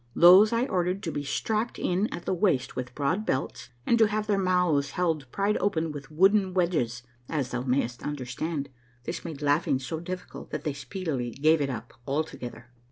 These I ordered to be strapped in at the waist with broad belts, and to have their mouths held pried open with wooden wedges. As thou mayst understand, this made laughing so difficult that they speedily gave it up altogether.